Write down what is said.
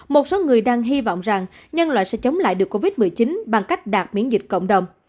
một số người đang hy vọng rằng nhân loại sẽ chống lại được covid một mươi chín bằng cách đạt miễn dịch cộng đồng